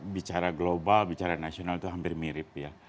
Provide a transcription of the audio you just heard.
bicara global bicara nasional itu hampir mirip ya